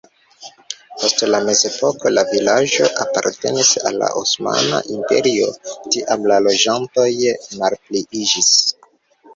Post la mezepoko la vilaĝo apartenis al la Osmana Imperio, tiam la loĝantoj malpliiĝis.